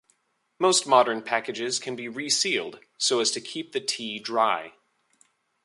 Most modern packages can be resealed so as to keep the tea dry.